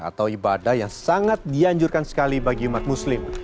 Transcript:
atau ibadah yang sangat dianjurkan sekali bagi umat muslim